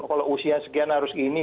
kalau usia sekian harus ini